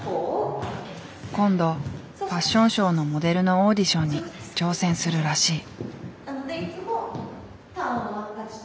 今度ファッションショーのモデルのオーディションに挑戦するらしい。